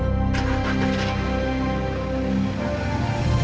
terra mau ambil bayi piercing bro